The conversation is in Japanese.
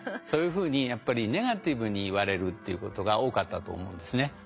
そういうふうにやっぱりネガティブに言われるっていうことが多かったと思うんですね。